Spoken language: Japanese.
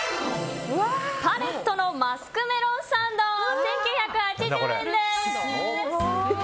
８０１０のマスクメロンサンド１９８０円です！